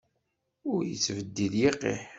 Ur yettbeddil yiqiḥ.